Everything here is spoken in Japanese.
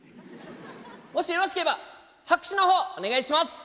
もしよろしければ拍手の方お願いします。